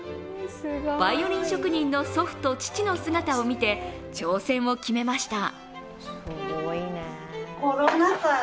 バイオリン職人の祖父と父の姿を見て、挑戦を決めました。